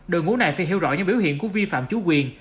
đội ngũ này phải hiểu rõ những biểu hiện của vi phạm chủ quyền